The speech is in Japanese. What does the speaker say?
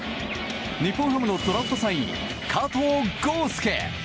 日本ハムのドラフト３位加藤豪将！